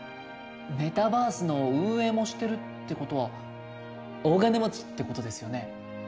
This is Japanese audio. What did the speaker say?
メタバースの運営もしてるって事は大金持ちって事ですよね。